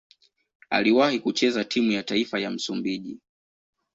Aliwahi kucheza timu ya taifa ya Msumbiji.